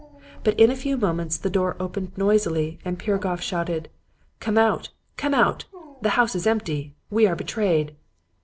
But in a few moments the door opened noisily and Piragoff shouted: "'Come out! Come out! The house is empty! We are betrayed.'